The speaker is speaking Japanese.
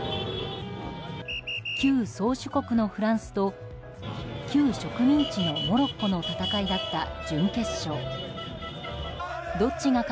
旧宗主国のフランスと旧植民地のモロッコの戦いだった準決勝。